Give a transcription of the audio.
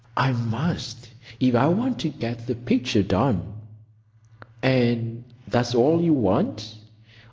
"I must, if I want to get the picture done." "And that's all you want?"